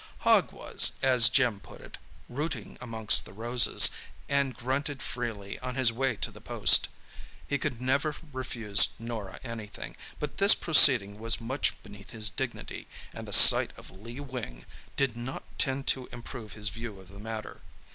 Hogg was, as Jim put it, rooting amongst the roses, and grunted freely on his way to the post. He could never refuse Norah anything, but this proceeding was much beneath his dignity, and the sight of Lee Wing did not tend to improve his view of the matter.